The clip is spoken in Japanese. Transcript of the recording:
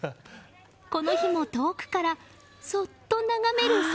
この日も遠くからそっと眺める